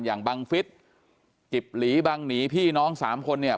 บังฟิศกิบหลีบังหนีพี่น้องสามคนเนี่ย